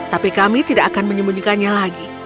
tapi kami tidak akan menyembunyikannya lagi